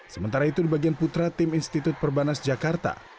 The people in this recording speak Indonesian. sementara itu di bagian putra tim institut perbanas jakarta